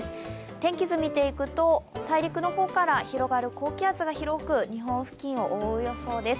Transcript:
天気図見ていくと大陸の方から広がる高気圧が広く日本付近を覆う予想です。